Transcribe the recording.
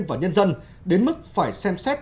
và nhân dân đến mức phải xem xét